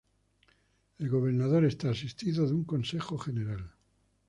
El gobernador está asistido de un Consejo General.